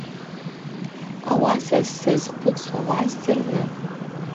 Ауаса сзазхъвыцуа угӏаздзыргӏвы.